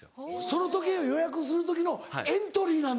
その時計を予約する時のエントリーなんだ。